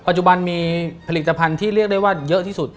จุบันมีผลิตภัณฑ์ที่เรียกได้ว่าเยอะที่สุด